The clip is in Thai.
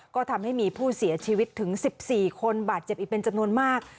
ก็ทำให้มีผู้เสียชีวิตถึง๑๔คนบาดเจ็บอีกเป็นจำนวนมาก